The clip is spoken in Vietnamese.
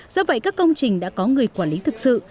do vậy các công trình đã có người quản lý thực sự